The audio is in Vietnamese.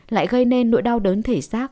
lại gây nên nỗi đau đớn thể xác